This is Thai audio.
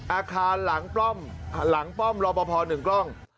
อาคารหลังป้อมหลังป้อมรอปภ๑กล้อง